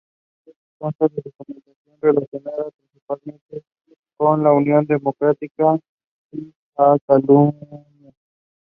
Gunnell committed to the University of Arizona to play college football.